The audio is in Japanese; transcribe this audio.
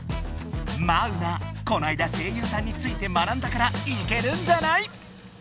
マウナこないだ声優さんについて学んだからイケるんじゃない？